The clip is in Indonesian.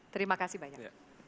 terima kasih banyak